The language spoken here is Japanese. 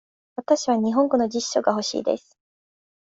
わたしは日本語の辞書が欲しいです。